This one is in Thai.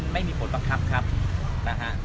ไม่ใช่นี่คือบ้านของคนที่เคยดื่มอยู่หรือเปล่า